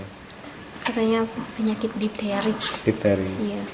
katanya penyakit difteri